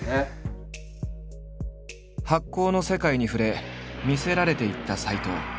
発酵の世界に触れ魅せられていった斎藤。